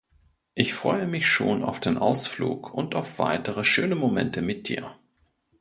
Ich freue mich schon auf den Ausflug und auf weitere schöne Momente mit dir!